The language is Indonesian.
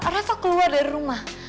reva keluar dari rumah